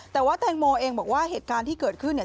แต่ว่าแตงโมเองบอกว่าเหตุการณ์ที่เกิดขึ้นเนี่ย